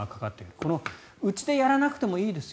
このうちでやらなくてもいいですよ